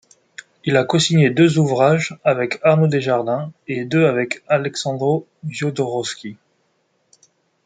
Il a cosigné deux ouvrages avec Arnaud Desjardins et deux avec Alexandro Jodorowsky.